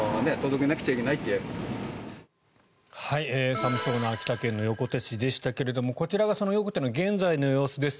寒そうな秋田県横手市でしたけどもこちらがその横手の現在の様子です。